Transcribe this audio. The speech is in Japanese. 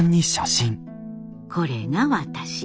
これが私。